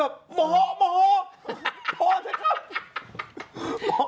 พอเถอะครับ